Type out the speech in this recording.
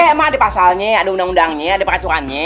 emang ada pasalnya ada undang undangnya ada peraturannya